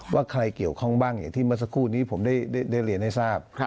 ว่าใครเกี่ยวข้องบ้างอย่างที่เมื่อสักครู่นี้ผมได้เรียนให้ทราบ